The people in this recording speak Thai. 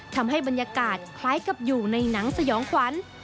ทำให้บรรยากาศคล้ายกับอยู่ในหนังสยองขวัญ